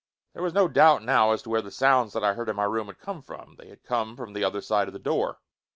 There was no doubt now as to where the sounds that I heard in my room had come from; they had come from the other side of the door.